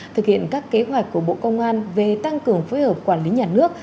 thực hiện các kế hoạch của bộ công an về tăng cường phối hợp quản lý nhà nước